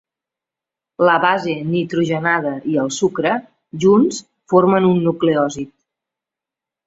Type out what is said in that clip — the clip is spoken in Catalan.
La base nitrogenada i el sucre junts formen un nucleòsid.